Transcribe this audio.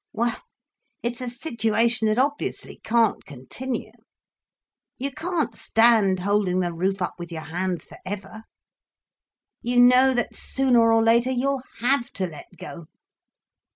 Well, it's a situation that obviously can't continue. You can't stand holding the roof up with your hands, for ever. You know that sooner or later you'll have to let go.